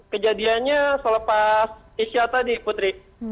kejadiannya selepas isyata putri